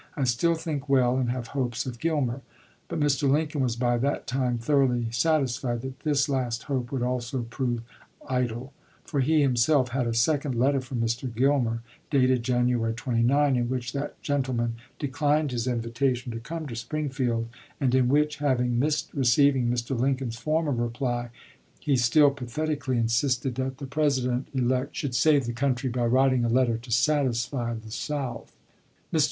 I still think well and have hopes of Gilmer." But Mr. Lincoln was by that time thoroughly satisfied that this last hope would also prove idle ; for he himself had a second letter from Mr. Gilmer (dated January 29) in which that gen tleman declined his invitation to come to Spring field, and in which, having missed receiving Mr. Lincoln's former reply, he still pathetically insisted LINCOLN'S CABINET 365 that the President elect should save the country by ch. xxii. writing a letter to satisfy the South. Mr.